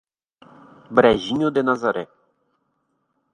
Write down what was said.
Brejinho de Nazaré